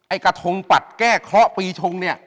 กระทงปัดแก้เคราะห์ปีชงเนี่ย